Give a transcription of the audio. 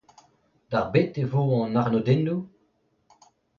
D'ar bet e vo an arnodennoù ?